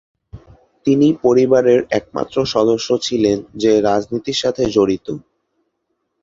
তিনি পরিবারের একমাত্র সদস্য ছিলেন, যে রাজনীতির সাথে জড়িত।